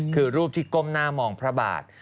คือรูปที่ก้มหน้ามองพระบาท